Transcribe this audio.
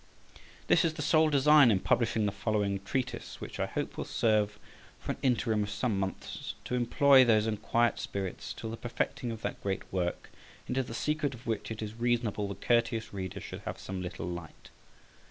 This is the sole design in publishing the following treatise, which I hope will serve for an interim of some months to employ those unquiet spirits till the perfecting of that great work, into the secret of which it is reasonable the courteous reader should have some little light.